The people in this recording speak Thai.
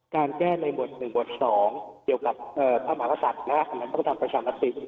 การแก้ในบท๑บท๒เกี่ยวกับพระมหาศาสตร์นะครับอันนั้นต้องทำประชามติ